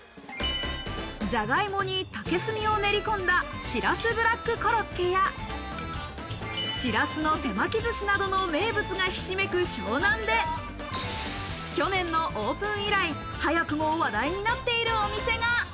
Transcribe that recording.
じゃがいもに竹炭を練り込んだ、しらすブラックコロッケやしらすの手巻きずしなどの名物がひしめく湘南で去年のオープン以来、早くも話題になっているお店が。